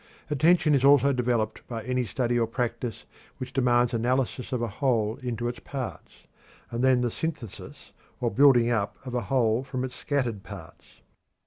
Attention is also developed by any study or practice which demands analysis of a whole into its parts, and then the synthesis or building up of a whole from its scattered parts.